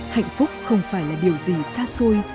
hạnh phúc không phải là điều gì xa xôi